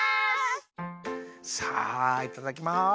さあいただきます。